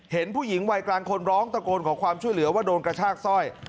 เห็นผู้หญิงวัยกลางคนร้องตะโกนขอความช่วยเหลือว่าโดนกระชากสร้อย